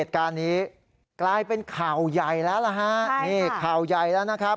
การนี้กลายเป็นข่าวยัยแล้วแล้วฮะนี่ค่ะข่าวยัยแล้วนะครับ